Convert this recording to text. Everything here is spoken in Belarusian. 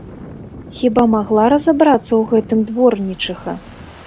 Хіба магла разабрацца ў гэтым дворнічыха!